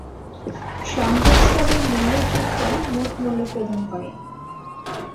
সংযোগ স্তরের মূল্যের যোগফল মোট মূল্য প্রদান করে।